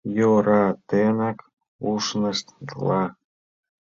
Йӧратенак ушнышт-ла.